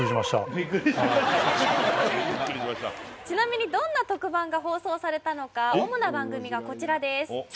ちなみにどんな特番が放送されたのかおもな番組がこちらです